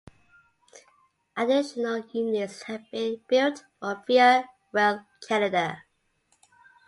Additional units have been built for Via Rail Canada.